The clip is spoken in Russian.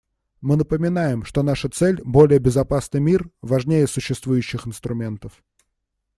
Мы напоминаем, что наша цель − более безопасный мир − важнее существующих инструментов.